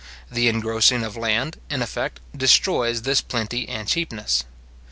The engrossing of land, in effect, destroys this plenty and cheapness.